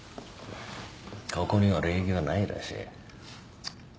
ここには礼儀はないらしい。